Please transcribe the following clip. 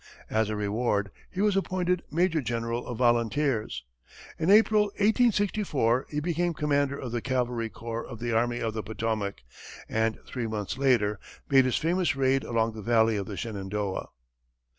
As a reward, he was appointed major general of volunteers. In April, 1864, he became commander of the cavalry corps of the Army of the Potomac, and three months later made his famous raid along the valley of the Shenandoah.